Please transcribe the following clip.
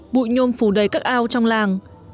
bụi nhôm phủ đầy các ao trong làng